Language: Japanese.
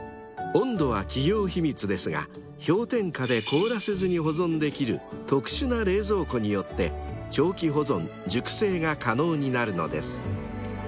［温度は企業秘密ですが氷点下で凍らせずに保存できる特殊な冷蔵庫によって長期保存熟成が可能になるのです］